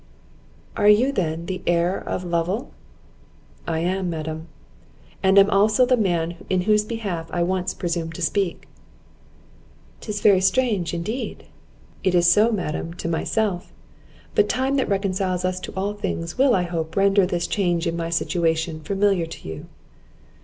"Are you, then, the heir of Lovel?" "I am, madam; and am also the man in whose behalf I once presumed to speak." "'Tis very strange indeed!" "It is so, madam, to myself; but time that reconciles us to all things, will, I hope, render this change in my situation familiar to you."